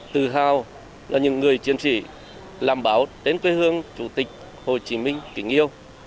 tự hào là những người chiến sĩ làm báo đến quê hương chủ tịch hồ chí minh kính yêu